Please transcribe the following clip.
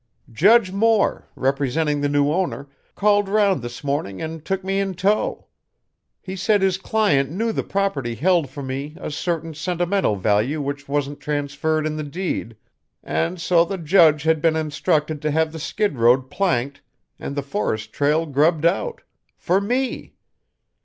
"Judge Moore, representing the new owner, called round this morning and took me in tow. He said his client knew the property held for me a certain sentimental value which wasn't transferred in the deed, and so the Judge had been instructed to have the skid road planked and the forest trail grubbed out for me.